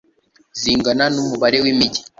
zingana n'umubare w'imigi